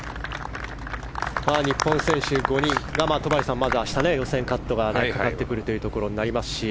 日本選手５人、まずは明日予選カットがかかってくることになりますし。